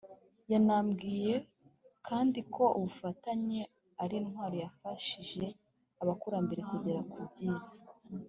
Yanambwiye kandi ko ubufatanye ari intwaro yafashije abakurambere kugera ku byiza